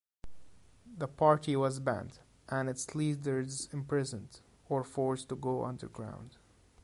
The Party was banned and its leaders imprisoned or forced to go underground.